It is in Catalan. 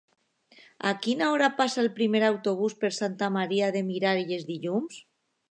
A quina hora passa el primer autobús per Santa Maria de Miralles dilluns?